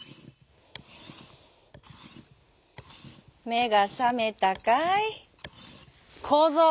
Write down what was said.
「めがさめたかいこぞう」。